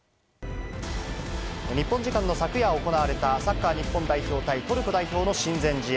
日本時間の昨夜行われた、サッカー日本代表対トルコ代表の親善試合。